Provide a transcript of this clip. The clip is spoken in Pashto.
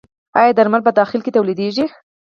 آیا درمل په داخل کې تولیدیږي؟